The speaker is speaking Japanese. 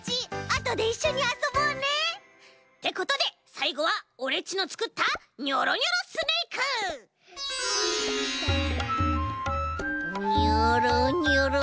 あとでいっしょにあそぼうね！ってことでさいごはオレっちのつくったニョロニョロスネーク！ニョロニョロ。